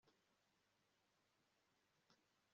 yometse ku marira yanjye